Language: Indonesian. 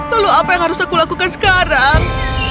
lalu apa yang harus aku lakukan sekarang